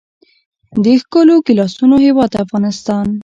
د ښکلو ګیلاسونو هیواد افغانستان.